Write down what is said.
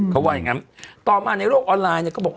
เขาว่าอย่างนั้นต่อมาในโลกออนไลน์เนี่ยก็บอก